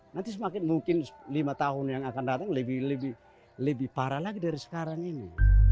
nanti semakin mungkin lima tahun yang akan datang lebih parah lagi dari sekarang ini